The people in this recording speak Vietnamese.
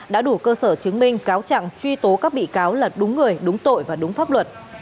đã đủ cơ sở chứng minh cáo trạng truy tố các bị cáo là đúng người đúng tội và đúng pháp luật